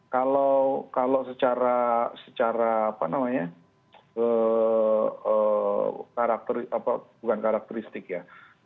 kalau secara apa namanya karakter bukan karakteristik ya